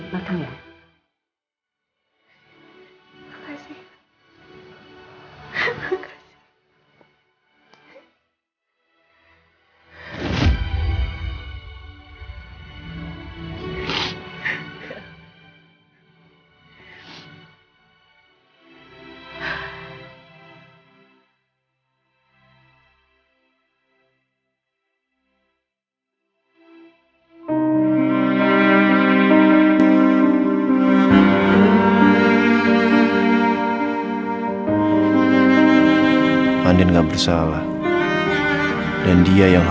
jadi janin banget sih